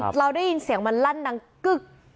เราได้ยินเสียงมันลั่นนางกึ๊ก